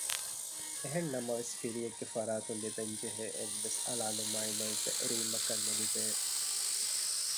އެހެން ނަމަވެސް ފިރިއެއްގެ ފަރާތުން ލިބެންޖެހޭ އެއްވެސް އަޅާލުމާއި ލޯތްބެއް ރީމްއަކަށް ނުލިބޭ